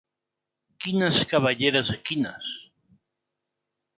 Quines cabelleres equines!